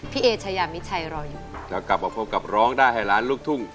เอเชยามิชัยรออยู่แล้วกลับมาพบกับร้องได้ให้ล้านลูกทุ่ง